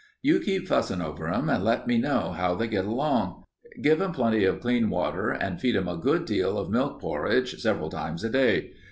You keep fussin' over 'em and let me know how they get along. Give 'em plenty of clean water and feed 'em a good deal of milk porridge several times a day.